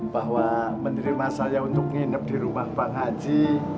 bahwa menerima saya untuk nginep di rumah bang haji